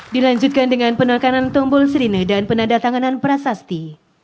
dilanjutkan dengan penerkanan tombol serine dan penandatanganan prasasti